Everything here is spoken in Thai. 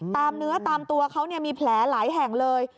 ตามเนื้อตามตัวเขามีแผลหลายแห่งเลย